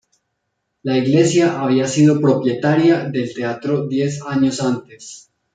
La Iglesia había sido propietaria del teatro diez años antes.